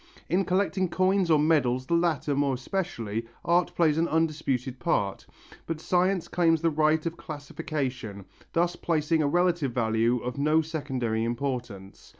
In collecting coins or medals, the latter more especially, art plays an undisputed part, but science claims the right of classification, thus placing a relative value of no secondary importance.